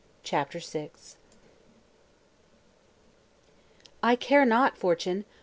CHAPTER VI I care not, Fortune!